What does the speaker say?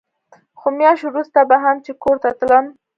خو مياشت وروسته به هم چې کور ته تلم.